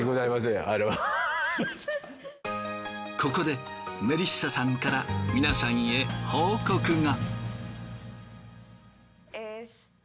ここでメリッサさんから皆さんへ報告が。